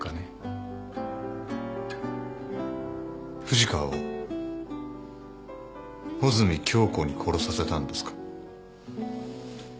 藤川を穂積京子に殺させたんですか？